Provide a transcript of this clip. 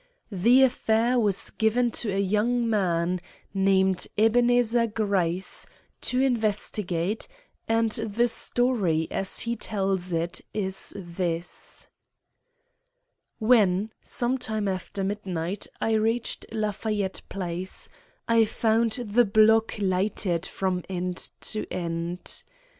The affair was given to a young man, named Ebenezer Gryce, to investigate, and the story, as he tells it, is this: When, some time after midnight, I reached Lafayette Place, I found the block lighted from end to end.